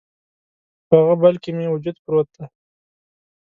په هغه بل کي مې وجود پروت دی